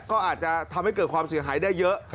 ก็อาจจะทำให้เกิดความเสียหายได้เยอะ